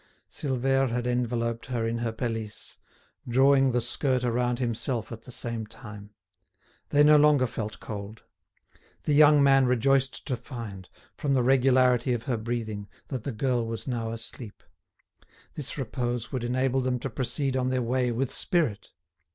Silvère had enveloped her in her pelisse, drawing the skirt around himself at the same time. They no longer felt cold. The young man rejoiced to find, from the regularity of her breathing, that the girl was now asleep; this repose would enable them to proceed on their way with spirit.